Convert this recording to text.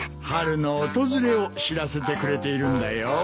春の訪れを知らせてくれているんだよ。